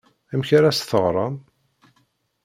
Amek ara as-teɣrem?